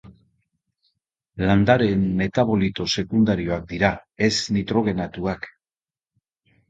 Landareen metabolito sekundarioak dira, ez nitrogenatuak.